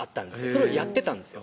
それをやってたんですよ